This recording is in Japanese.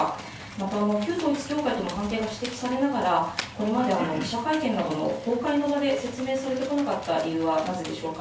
また、旧統一教会との関係が指摘されながら、これまで記者会見などの公開の場で説明されてこなかった理由はなぜでしょうか。